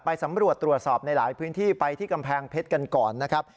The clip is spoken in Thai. สำรวจตรวจสอบในหลายพื้นที่ไปที่กำแพงเพชรกันก่อนนะครับ